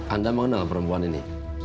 anda mengenal perempuan ini